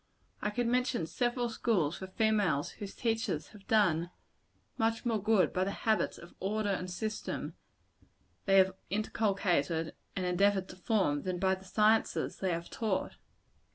I could mention several schools for females, whose teachers have done much more good by the habits of order and system they have inculcated and endeavored to form, than by the sciences they have taught.